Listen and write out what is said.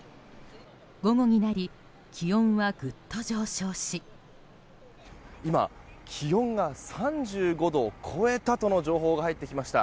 午後になり気温はぐっと上昇し今、気温が３５度を超えたとの情報が入ってきました。